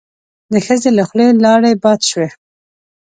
د ښځې له خولې لاړې باد شوې.